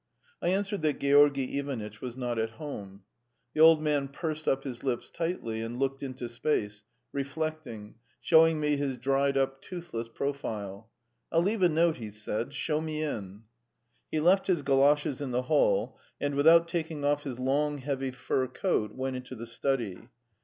I answered that Georgy Ivanitch was not at home. The old man pursed up his lips tightly and looked into space, reflecting, showing me his dried up, toothless profile. "I'll leave a note," he said; "show me in." He left his goloshes in the hall, and, without taking off his long, heavy fur coat, went into the study.